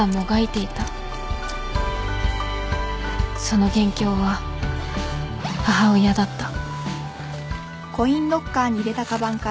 「その元凶は母親だった」